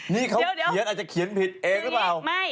นั่าเลยมั้ยเห็นผิดเองรึเปล่า